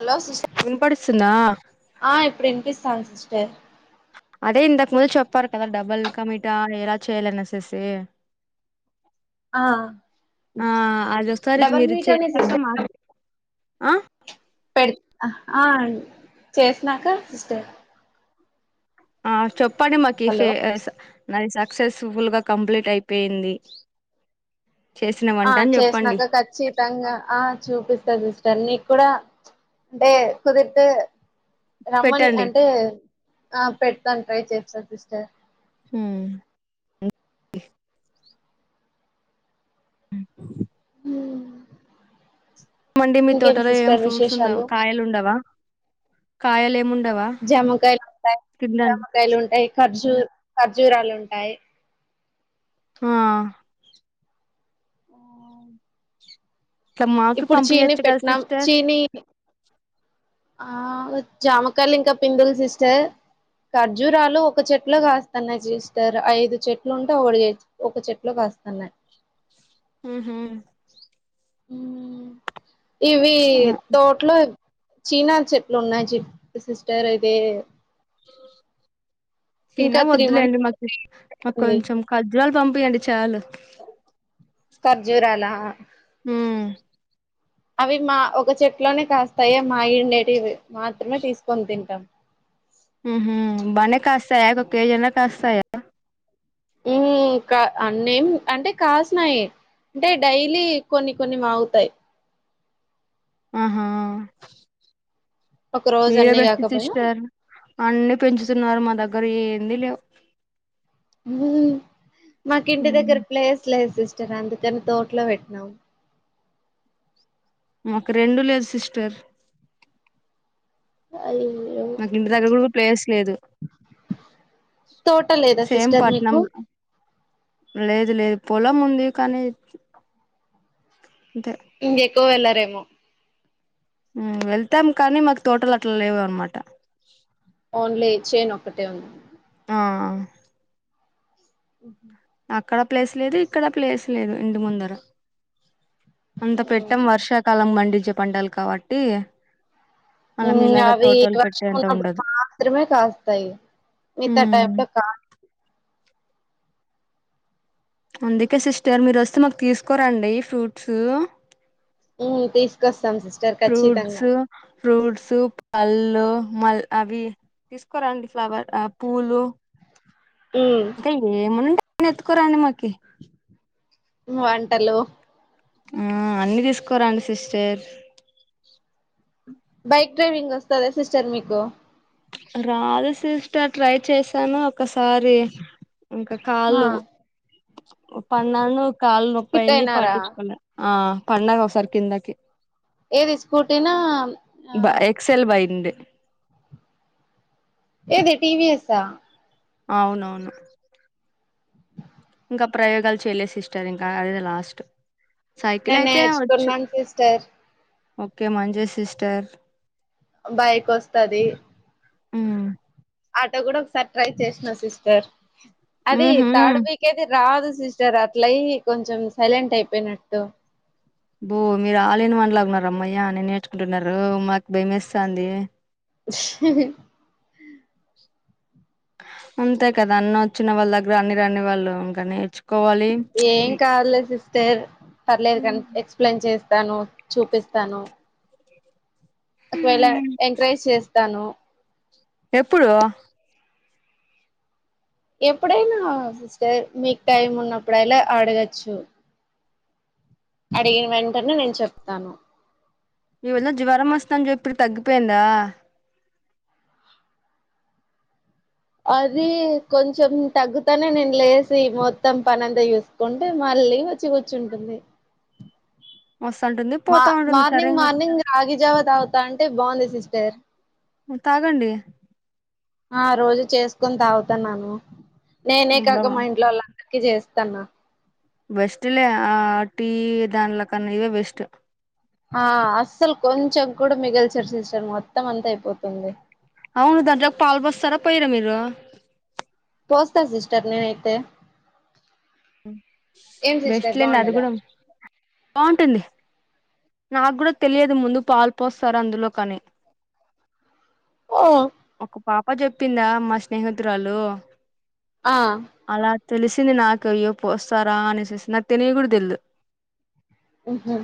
Hello sis వినపడిస్తుందా ఆ ఇప్పుడు వినిపిస్తాంది సిస్టర్ అదే ఇంతకు ముందు చెప్పారు కదా డబల్ కమిటా ఏల చేయలనేసి ఆ ఆ అదో సారి డబల్ మీరు మీట్ అనే చేశాక సిస్టర్ మాకు ఆ పె ఆ చేసినాక సిస్టర్ ఆ చెప్పండి మాకి ఫ హలో నాది సక్సెస్ఫుల్ గా కంప్లీట్ అయిపోయింది చేసిన ఆ వంట అని చెప్పండి చేసినాక కర్చీ ఆ చూపిస్తారు సిస్టర్ నీకు కూడా అంటే కుదిరితే రమ్మని పెట్టండి అంటే ఆ పెడతాను ట్రై చేస్తాను సిస్టర్. హమ్. హమ్. మండి మీ ఇంకేం తోటలో ఏం సిస్టర్ ఫ్రూట్స్ ఉండవు విశేషాలు కాయలు ఉండవా కాయలు ఏమిండవా. జమ్మకాయలు ఉంటాయి జమకాయలు ఉంటాయి ఖర్జూ ఖర్జూరాలు ఉంటాయి. ఆ ఇట్లా మాకు ఇప్పుడు చీని పంపియచ్చు కదా పెట్టినాం సిస్టర్ చీని ఆ జామకాలు ఇంకా పింగులు సిస్టర్ ఖర్జూరాలు ఒక చెట్లో కాస్తన్నాయి సిస్టర్ ఐదు చెట్లు ఉంటే ఒక ఒక చెట్లో కాస్తున్నాయి. ఉహు ఇవీ తో అట్లో చీనా చెట్లు ఉన్నాయి చె సిస్టర్ ఇదే సిన ఇంకా త్రీ వద్దులేండి మంత్స్ మాకు మాకు అవుతుంది కొంచెం కఖజురాలు పంపియండి చాలు. ఖర్జూరాల. హ్మ్. అవి మా ఒక చెట్లోనే కాస్తాయే మా ఇండేటివి మాత్రమే తీసుకొని తింటాం హ బనే కాస్తాయాక ఒక కేజన కాస్తాయా కా అన్నేం అంటే కాసినాయీ అంటే డైలీ కొన్ని కొన్ని మాగుతాయి ఆహా ఒక రోజు మీరే అన్ని బెస్ట్ కాకపోయినా సిస్టర్ అన్ని పెంచుతున్నారు మా దగ్గర ఏంది లేవ్ ఉమ్ మాకు ఇంటి ఉమ్, దగ్గర ప్లేస్ లేదు సిస్టర్ అందుకని తోటలో పెట్టినాం మాకు రెండూ లేదు సిస్టర్ అయ్యో మాకు ఇంటి దగ్గర గూడా ప్లేస్ లేదు తోట లేదా సేమ్ సిస్టర్ పట్నం మీకు లేదు లేదు పొలం ఉంది కానీ అంతే ఇంకెక్కువ వెళ్ళరేమో వెళ్తాం కానీ మాకు తోటలు అట్లా లేవు అన్నమాట ఓన్లీ చెన్ ఒక్కటే ఉంది ఆ హు అక్కడ ప్లేస్ లేదు ఇక్కడ ప్లేస్ లేదు ఇంటి ముందర అంత పెట్టం వర్షాకాలం పండించే పంటలు కాబట్టి మళ్ళ ఉమ్ మీలాగా అవి తోటలు వర్షం పెట్టేంత ఉండదు ఉన్నప్పుడు మాత్రమే కాస్తాయి మిగతా ఉమ్ టైమ్ లో కా అందుకే సిస్టర్ మీరు వస్తే మాకు తీసుకోరండి ఫ్రూట్స్ ఉమ్ తీసుకొస్తాం సిస్టర్ ఫ్రూట్స్ ఖచ్చితంగా ఫ్రూట్స్ పళ్ళు మళ్ళ అవి తీసుకోరాండి ఫ్లవర్ పూలు ఉమ్ ఏమంట ఎత్తుకోరాని మాకి వంటలు ఆ అన్ని దీసుకోరండి సిస్టర్ బైక్ డ్రైవింగ్ వస్తదా సిస్టర్ మీకు రాదు సిస్టర్ ట్రై చేశాను ఒకసారి ఇంకా ఆ కాళ్ళు పన్నాను కాళ్లు స్కిట్ నొప్పైంది అయినారా పట్టించుకోలే ఆ పడిన ఒకసారి కిందకి ఏది స్కూటీనా ఆ బ ఎక్సెల్ బండి ఏది టివిఎస్ ఆ అవునవును ఇంకా ప్రయోగాలు చేయలేదు సిస్టర్ ఇంకా అ సైకిల్ నేను అయితే వచ్చు నేర్చుకున్నాను సిస్టర్ ఓకే మంచిది సిస్టర్ బైక్ వస్తది ఉమ్ ఆటో గూడా ఒకసారి ట్రై చేసిన సిస్టర్ అది ఊహూ థర్డ్ వీక్ ఇంకేది రాదు సిస్టర్ అట్లయి కొంచెం సైలెంట్ అయిపోయినట్టు బో మీరు ఆల్ ఇన్ వన్ లాగా ఉన్నారు అమ్మయ్యా అన్ని నేర్చుకుంటున్నారు మాకు భయమేస్తంది హా అంతే కదా అన్ని వచ్చిన వాళ్ళ దగ్గర అన్ని రాని వాళ్ళు ఇంకా నేర్చు ఏం కాదులే సిస్టర్ పర్లేదు కానీ ఎక్స్ప్లెయిన్ చేస్తాను చూపిస్తాను ఒకవేళ ఎంకరేజ్ చేస్తాను ఎప్పుడు ఎప్పుడైనా సిస్టర్ మీకు టైమ్ ఉన్నప్పుడైలా అడగచ్చు అడిగిన వెంటనే నేను చెప్తాను మీ వదినకు జ్వరం వస్తుం అని జెప్పినవ్ తగ్గిపోయిందా అది కొంచెం తగ్గుతనే నేను లేసి మొత్తం పనంత జేస్ కుంటే మళ్ళీ వచ్చి కూర్చుంటుంది వస్తటుంది మా మార్నింగ్ మార్నింగ్ రాగి జావా త అవుతా అంటే బాగుంది సిస్టర్ మ్మ్ తాగండి ఆ రోజు చేసుకొని తాగుతన్నాను నేనే అబ్బా కాక మా ఇంట్లో కి చేస్తన్న బెస్ట్లే ఆ టీ దాన్లకన ఇవే బెస్ట్ ఆ అస్సలు కొంచెం కూడా మిగిల్చారు సిస్టర్ మొత్తం అంతా అయిపోతుంది అవును దాంట్లో ఒక పల్ బస్తార ప పోరా మీరు పోస్తారు సిస్టర్ నేనైతే ఏం సిస్టర్ బెస్ట్లేండి బాగుండదా అడగుడం బగుంటుంది నాకు కూడా తెలియదు ముందు పాల్పోస్తారు అందులో కాని ఓ ఒక పాప చెప్పిందా మా స్నేహితురాలు ఆ అలా తెలిసింది నాకు అయ్యో పోస్తారా అనేసేసి నాకు తెని కూడా తెలిదు ఉహు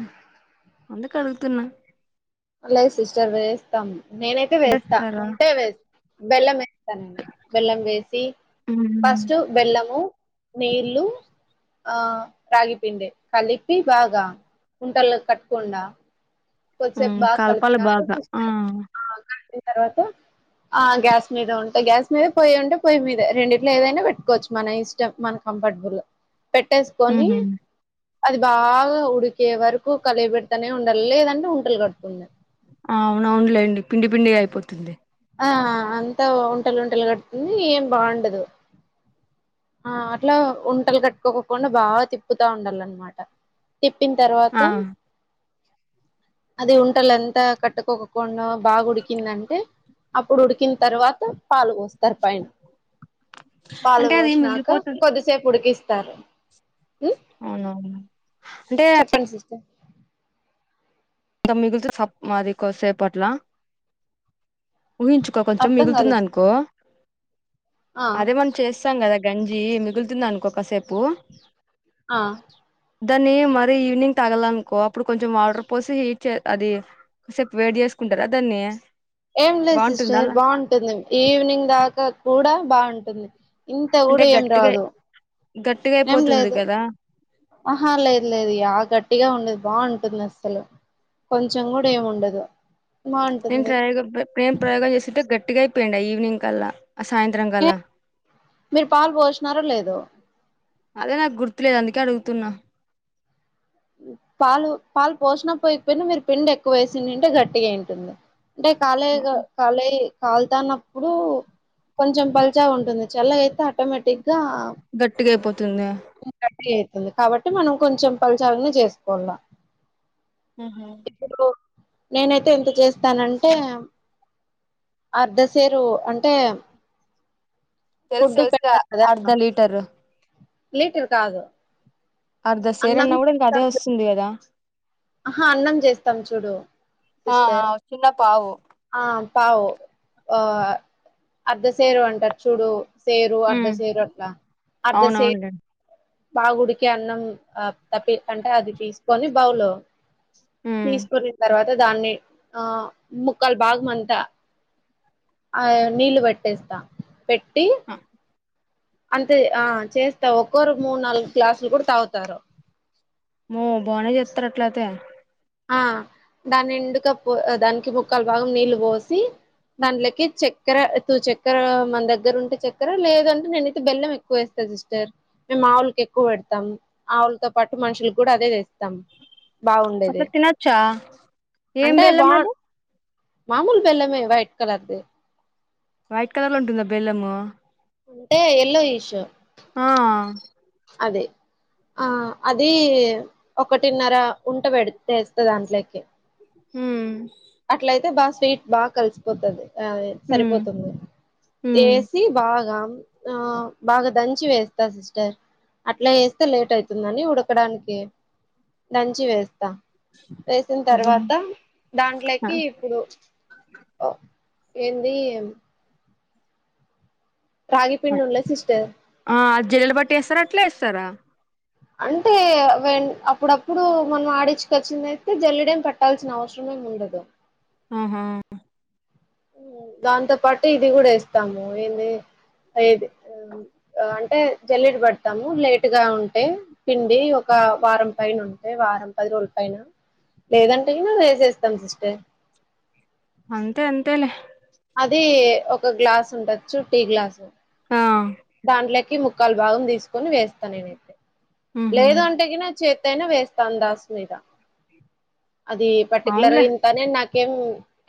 అందుకు అడుగుతున్న అలా సిస్టర్ వేస్తాం నేనైతే వేస్తా బస్తారా ఉంటే వేస్ బెల్లం వేస్తస్తాన నేను బెల్లం వేసి ఫస్ట్ బెల్లము నేళ్ళు ఆ రాగి పిండే కలిపి బాగా ఉండలు కట్టకుండా కొద్దిసేపు బాగా కలపాలి కలిపినక బాగా ఆ చూస్తారు ఆ కలిపిన తర్వాత ఆ గ్యాస్ మీద ఉంటాయి గ్యాస్ మీద పొయి ఉంటే పొయ్యి మీద రెండిట్లో ఏదైనా పెట్టుకోవచ్చు మన ఇష్టం మన కంఫర్టబుల్ పెట్టేసుకొని ఉహు అది బాగా ఉడికే వరకు కలి పెడతనే ఉండాలి లేదంటే ఉంటలు కట్టుంది అవునవునులే అండి పిడి పిండి అయిపోతుంది ఆ అంతా ఒంటలుంటలు కడుతుంది ఏం బాగుండదు ఆ అట్లా వంటలు కట్టుకోకుండా బాగా తిప్పుతా ఉండాల అనమాట తిప్పింతర్వాత ఆ అది ఉంటలు ఎంత కట్టుకోకుండా బాగా ఉడికిందంటే అప్పుడు ఉడికిన తర్వాత పాలు పోస్తరు పైన అంటే అది నాక మిగిలిపోతుంది కొద్దిసేపు ఉడికిస్తారు అవునవును అంటే ప్పండి సిస్టర్ ఇంకా మిగిలిత సబ్ మాది కొసేపట్లా ఊహించుకో కొంచెం అర్థం మిగులుతుంది కాలేదు అనుకో సిస్టర్ ఆ అదే మన్ చేస్తాం కదా గంజి మిగులుతుంది అనుకోకసేపు ఆ దాన్ని మరీ ఈవినింగ్ తగలనుకో అప్పుడు కొంచెం ఆర్డర్ పోసి అదిసేపు వేట్ చేసుకుంటారా దాన్ని ఏం లేదు బాగుంటుందా సిస్టర్ అలా బాగుంటుంది ఈవినింగ్ దాకా కూడా బాగుంటుంది ఇంత అంటే కూడా ఏం గట్టిగా రాదు గట్టిగా ఏం అయిపోతుంది లేదు కదా ఆహా లేదు లేదు ఇగ గట్టిగా ఉండేది బాగుంటుంది అస్సలు కొంచెం కూడా ఏము ఉండదు బాగుంటుంది ఎంట్రా ఎదో ప్రే ప్రేమ ప్రయోగాలు చేసింటే గట్టిగా అయిపోయిండా ఈవినింగ్ కల్లా అ సాయంత్రం కలా మీరు పాలు పోసినారో లేదో అదే నాకు గుర్తులేదు అందుకే అడుగుతున్నా పాలు పాలు పోసిన పోయికపోయినా మీరు పిండి ఎక్కువ వేసింటే గట్టిగా అయి ఉంటుంది అంటే కాలయ కాలే కలుతాన్నప్పుడు కొంచెం పల్చా ఉంటుంది చల్ల అయితే ఆటోమేటిక్గా గట్టిగా అయిపోతుందా గట్టిగా అయితుంది కాబట్టి మనం కొంచెం పలచగనే చేసుకోవాలా ఉహుమ్ ఇప్పుడు నేనైతే ఎంత చేస్తానంటే అర్ధశేరు అంటే తెల్స ఫుడ్ తెల్స గా పెడతాను అర్ధ కదా లీటర్ లీటర్ కాదు అర్ధ సేరు అన్నం అన్నా కూడా ఇంక అదే చేస్తాం చూ వస్తుంది కదా ఆహా అన్నం చేస్తాం చూడు ఆ ఆ సిస్టర్ చిన్న పావు ఆ పావు అద్దసేరు అంటారు చూడు సేరు అర్ద్ మ్. సేరు అట్లా అర్ద్ సేరు అవునవునులే బాగ ఉడికే అన్నం ఆ తప్పి అంటే అది తీసుకొని బౌలు మ్. తీసుకున్న తర్వాత దాన్ని ఆ ముక్కల భాగం అంతా ఆ నీళ్ళు పెట్టేస్తా పెట్టి ఆ అంతే ఆ చేస్తా ఒక్కోరు మూడు నాలుగు గ్లాసులు కూడా తాగుతారు మో బాగానే చెస్తారు అట్లా అయితే ఆ దాన్ని ఎండుక పో దానికి ముక్కాల భాగం నీళ్ళు పోసి దాంట్లోకి చక్కెర తూ చక్కర మన దగ్గర ఉంటే చక్కర లేదంటే నేనైతే బెల్లం ఎ క్కువ వేస్తా సిస్టర్ మేము ఆవులకి ఎక్కువ పెడతాం ఆవులతో పాటు మనుషుల కూడా అదే తెస్తాం బాగుండేది అసలు తినోచ్చా అంటే బా మామూలు బెల్లమే వైట్ కలర్ ది వైట్ కలర్ లో ఉంటుందా బెల్లము అంటే ఎల్లో ఈషు ఆ అదే ఆ అది ఒకటిన్నర ఉంట పెటేస్తా దాంట్లోకి హమ్ అట్లయితే బాగా స్వీట్ బాగా కలిసిపోతుంది అ హ్మ్ సరిపోతుంది హ్మ్ తి బాగా ఆ బాగా దంచి వేస్త తా సిస్టర్ అట్లా చేేస్తే లేట్ అవుతుందని ఉడకడానికి దంచి వేస్తా వేసిన తర్వాత దాంట్లోకి ఇప్పుడు ఆ ఏంది రాగి పిండి ఉండ్లే సిస్టర్ ఆ జల్లెడ పట్టి ఏస్తరా అట్లే ఏస్తరా అంటే వెన్ అప్పుడప్పుడు మనం ఆడిచ్చుకొచ్చిందయితే జల్లడేం పట్టాల్సిన అవసరమేం ఉండదు ఆహా దాంతో పాటు ఇది కూడా ఏస్తాము ఏంది అయేది ఆ అంటే జల్లిడ పడతాము లేట్ గా ఉంటే పిండి ఒక వారం పైన ఉంటే వారం పది రోజుల పైన లేదంటే గిన వేసేస్తాం సిస్టర్ అంతే అంతేలే అది ఒక గ్లాస్ ఉండొచ్చు టీ గ్లాస్ ఆ దాంట్లోకి ముక్కాల్ భాగం తీసుకొని వేస్తా నేనైతే ఊహూ లేదు అంటే గిన చేత్ త్తో అయిన వేస్తా అందాస్ మీద అది పర్టికులర్ గా అవునులే ఇన్ తని నాకేం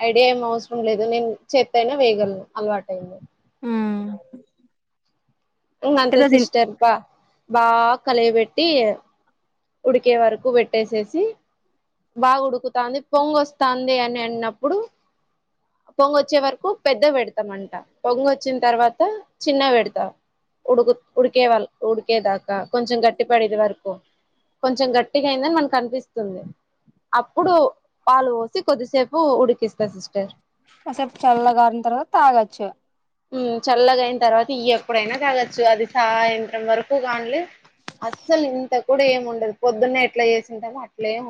ఐడియా ఏం అవసరం లేదు నేను చేత్తో అయినా వేయగలను అలవాటు అయింది ఊమ్ ఇంగ అంతే సిస్టర్ బ బా కలియపెట్టి ఉడికే వరకు పెట్టేసేసి బాగా ఉడుకుతాంది పొంగొస్తాంది అని అన్నప్పుడు పొంగొచ్చే వరకు పెద్దగ పెడతా మంట పొంగొచ్చిన తర్వాత చిన్నగ పెడతా ఉడుకు ఉడికేవాళ్ళు ఉడికేదాకా కొంచెం గట్టి పడేది వరకు కొంచెం గట్టిగా అయిందని మనకు కనిపిస్తుంది అప్పుడు పాలు పోసి కొద్దిసేపు ఉడికిస్తా సిస్టర్ కాసేపు చల్ల గారిన తర్వాత తాగొచ్చు ఊమ్ చల్లగయిన తర్వాత ఎప్పుడైనా తాగొచ్చు అది సాయంత్రం వరకు గాన్లే అస్సలు ఇంత కూడా ఏమి ఉండదు పొద్దున్నే ఎట్లా చేసింటమో అట్లే ఉన్